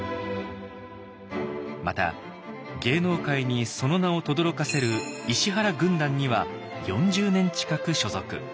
また芸能界にその名をとどろかせる「石原軍団」には４０年近く所属。